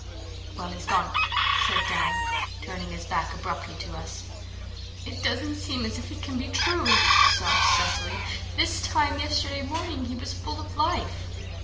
"Well, he's gone," said Dan, turning his back abruptly to us. "It doesn't seem as if it can be true," sobbed Cecily. "This time yesterday morning he was full of life."